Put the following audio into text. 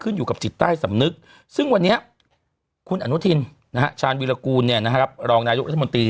อยู่กับจิตใต้สำนึกซึ่งวันนี้คุณอนุทินชาญวิรากูลรองนายกรัฐมนตรี